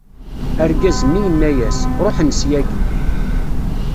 Argaz-nni yenna-yas: Ṛuḥen ssyagi.